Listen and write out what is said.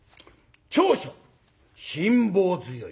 「長所辛抱強い」。